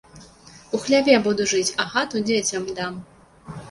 У хляве буду жыць, а хату дзецям дам!